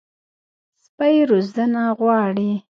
سپي روزنه غواړي.